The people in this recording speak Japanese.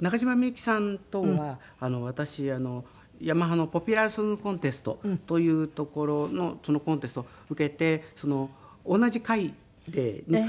中島みゆきさんとは私ヤマハのポピュラーソングコンテストというところのコンテストを受けて同じ回で２回一緒になってるんです。